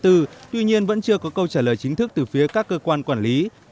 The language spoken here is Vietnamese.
tuy nhiên vẫn chưa có câu trả lời chính thức từ phía các cơ quan quản lý